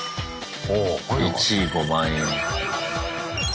１位５万円。